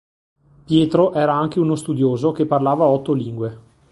Pietro era anche uno studioso, che parlava otto lingue.